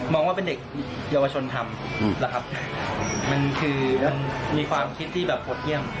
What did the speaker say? มองว่าเป็นเด็กเยาวชนธรรมมีความคิดที่พดเยี่ยม